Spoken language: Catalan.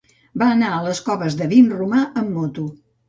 Va anar a les Coves de Vinromà amb moto.